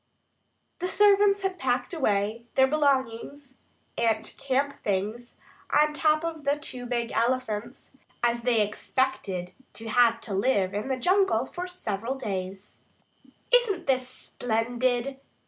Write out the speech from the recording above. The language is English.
The servants had packed away their belongings and camp things on top of the two big elephants, as they expected to have to live in the jungle for several days. "Isn't this splendid?"